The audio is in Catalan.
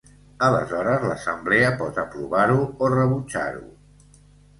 Aleshores l'assemblea pot aprovar-ho o rebutjar-ho.